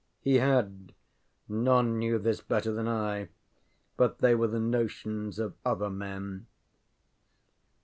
ŌĆØ He had none knew this better than I but they were the notions of other men.